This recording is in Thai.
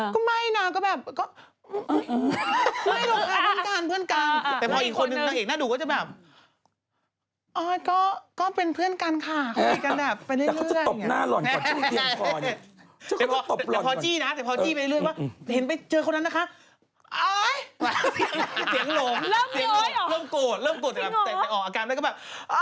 ก็ไม่ได้คุยนะคะ